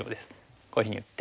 こういうふうに打って。